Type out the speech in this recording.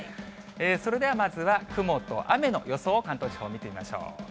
それではまずは雲と雨の予想を関東地方、見てみましょう。